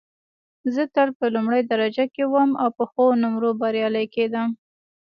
زه تل په لومړۍ درجه کې وم او په ښو نومرو بریالۍ کېدم